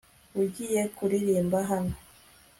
ugiye kuririmba hano